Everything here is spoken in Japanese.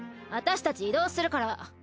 私たち移動するから！